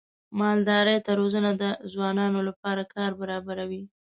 مالدارۍ ته روزنه د ځوانانو لپاره کار برابروي.